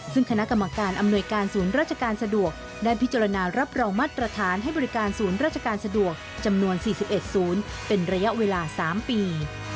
ซึ่งคณะกรรมการอำนวยการศูนย์ราชการสะดวกได้พิจารณารับรองมาตรฐานให้บริการศูนย์ราชการสะดวกจำนวน๔๑ศูนย์เป็นระยะเวลา๓ปี